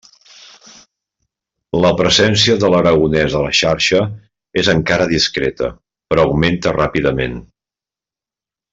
La presència de l'aragonès a la xarxa és encara discreta, però augmenta ràpidament.